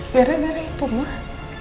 gara gara itu mah